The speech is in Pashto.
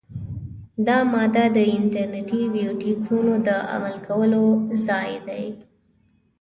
دا ماده د انټي بیوټیکونو د عمل کولو ځای دی.